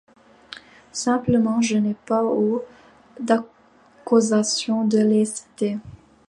Simplement, je n'ai pas eu d'occasion de les citer.